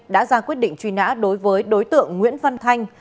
đã ra quyết định truy nã đối với đối tượng nguyễn văn thanh